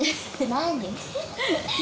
「何？